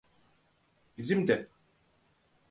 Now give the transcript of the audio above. Bizim de.